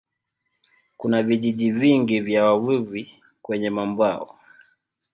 Kuna vijiji vingi vya wavuvi kwenye mwambao.